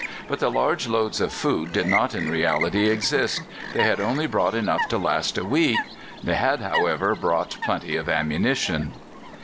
But the large loads of food did not in reality exist: they had only brought enough to last a week; they had, however, brought plenty of ammunition."